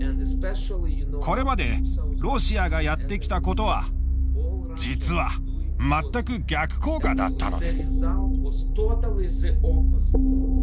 これまでロシアがやってきたことは実は、全く逆効果だったのです。